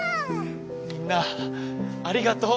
みんなありがとう！